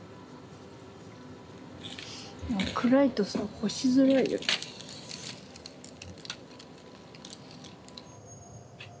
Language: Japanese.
暗いとさ干しづらいよね。